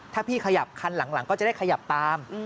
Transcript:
ถ้าพี่ขยับคันหลังก็จะได้ขยับตาม